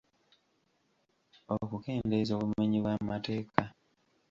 Okukendeeza obumenyi bw’amateeka.